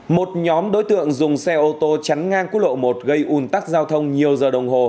một nhóm đối tượng dùng xe ô tô chắn ngang quốc lộ một gây ủn tắc giao thông nhiều giờ đồng hồ